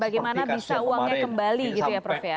bagaimana bisa uangnya kembali gitu ya prof ya